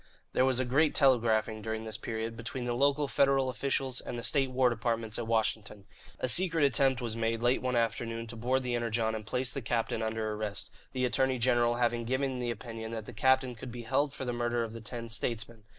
There was a great telegraphing, during this period, between the local Federal officials and the state and war departments at Washington. A secret attempt was made late one afternoon to board the Energon and place the captain under arrest the Attorney General having given the opinion that the captain could be held for the murder of the ten "statesmen."